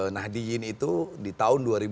nahdidin itu di tahun